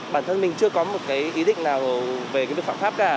bản thân mình chưa có một cái ý định nào về cái việc phạm pháp cả